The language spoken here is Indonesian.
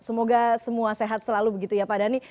semoga semua sehat selalu begitu ya pak dhani